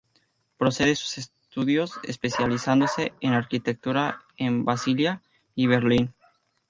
Procede sus estudios especializándose en Arquitectura en Basilea y Berlín.